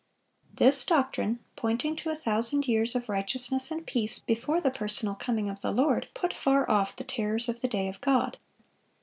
This doctrine, pointing to a thousand years of righteousness and peace before the personal coming of the Lord, put far off the terrors of the day of God.